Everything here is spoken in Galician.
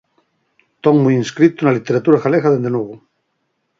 Estou moi inscrito na literatura galega desde novo.